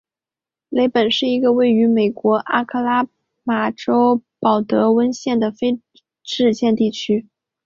雷本是一个位于美国阿拉巴马州鲍德温县的非建制地区。